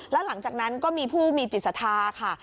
แล้วหลังจากนั้นก็มีผู้มีจิตศรัทธาค่ะ